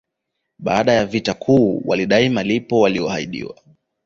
Baada ya vita kuu walidai malipo waliyoahidiwa